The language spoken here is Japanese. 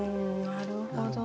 なるほど。